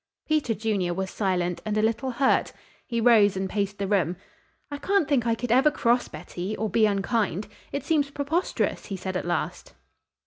Peter Junior was silent and a little hurt. He rose and paced the room. "I can't think I could ever cross Betty, or be unkind. It seems preposterous," he said at last.